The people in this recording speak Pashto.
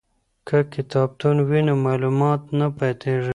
که کتابتون وي نو معلومات نه پاتیږي.